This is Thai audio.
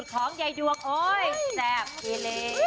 พองใยดวกโอ้ยแซ่บที่เลย